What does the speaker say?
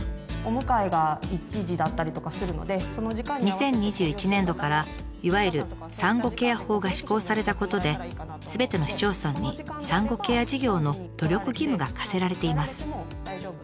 ２０２１年度からいわゆる産後ケア法が施行されたことですべての市町村に産後ケア事業の努力義務が課せられています。